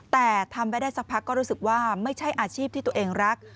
แต่ทำไปได้สักพักก็รู้สึกว่าไม่ใช่อาชีพที่ตัวเองรัก